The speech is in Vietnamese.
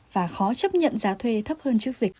và khó chấp nhận giá thuê thấp hơn trước dịch